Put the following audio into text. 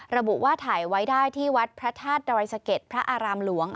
ระบุว่าถ่ายไว้ได้ที่วัดพระธาตุดอยสะเก็ดพระอารามหลวง